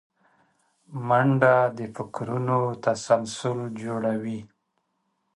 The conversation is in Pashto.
منډه د فکرونو تسلسل جوړوي